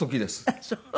ああそう。